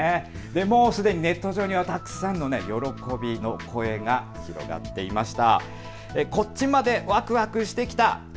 もうすでにネット上にはたくさんの喜びの声が上がっていました。